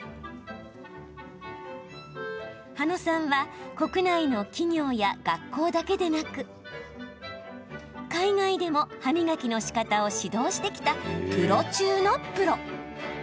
羽野さんは国内の企業や学校だけでなく海外でも歯磨きのしかたを指導してきたプロ中のプロ。